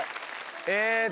えっと。